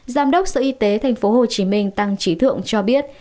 giám đốc sở y tế thành phố hồ chí minh tăng trí thượng cho biết